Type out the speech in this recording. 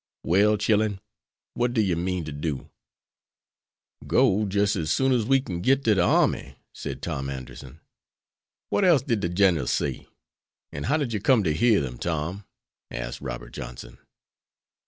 "Well, chillen, what do you mean to do?" "Go, jis' as soon as we kin git to de army," said Tom Anderson. "What else did the generals say? And how did you come to hear them, Tom?" asked Robert Johnson.